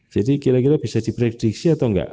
jadi kira kira bisa diprediksi atau enggak